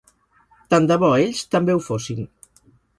Tant de bo ells també ho fossin